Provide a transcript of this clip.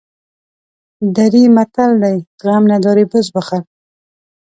دري متل دی: غم نداری بز بخر.